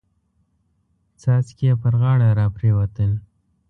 څاڅکي يې پر غاړه را پريوتل.